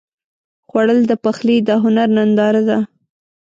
خوړل د پخلي د هنر ننداره ده